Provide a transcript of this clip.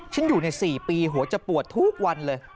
ฉันอยู่ใน๔ปีหัวจะปวดทุกวันเลย